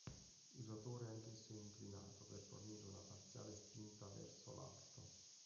Il rotore è anch'esso inclinato per fornire una parziale spinta verso l'alto.